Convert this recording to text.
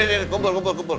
sini sini kumpul kumpul